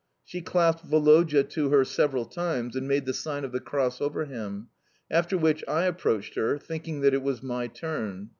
She clasped Woloda to her several times, and made the sign of the cross over him; after which I approached her, thinking that it was my turn.